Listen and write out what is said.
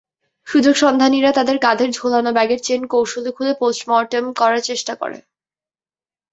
সুযোগসন্ধানীরা তাঁদের কাঁধের ঝোলানো ব্যাগের চেন কৌশলে খুলে পোস্টমর্টেম করার চেষ্টা করে।